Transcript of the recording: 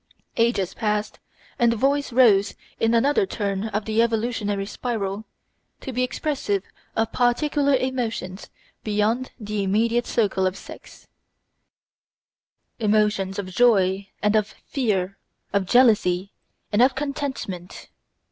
Ages passed, and the voice rose on another turn of the evolutionary spiral to be expressive of particular emotions beyond the immediate circle of sex emotions of joy and of fear, of jealousy and of contentment.